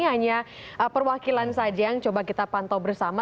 hanya perwakilan saja yang coba kita pantau bersama